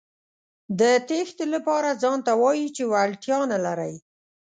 د تېښتې لپاره ځانته وايئ چې وړتیا نه لرئ.